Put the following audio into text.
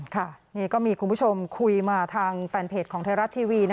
ค่ะนี่ก็มีคุณผู้ชมคุยมาทางแฟนเพจของไทยรัฐทีวี